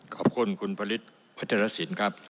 ขอบคุณคุณผลิตพระเจรสินครับ